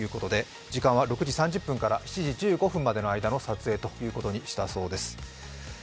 時間は６時３０分から７時１５分までの撮影ということにしたそうです。